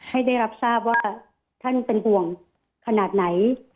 ให้ได้รับทราบว่าท่านเป็นห่วงขนาดไหน